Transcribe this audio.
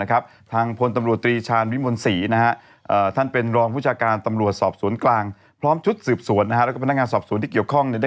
ทางทางพลตำรวจตรีชาวลิมวนศรี